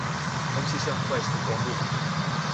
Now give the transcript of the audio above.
東西向快速公路